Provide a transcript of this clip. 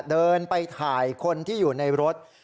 เดินไปถ่ายคนที่อยู่ในรถ